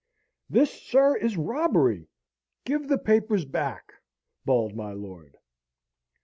"This, sir, is robbery! Give the papers back!" bawled my lord.